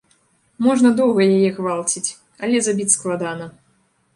Можна доўга яе гвалціць, але забіць складана.